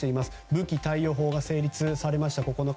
武器貸与法が９日成立しました。